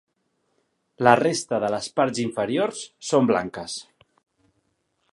La resta de les parts inferiors són blanques.